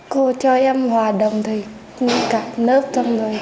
cô cho em hòa đồng thịt với cả lớp trong người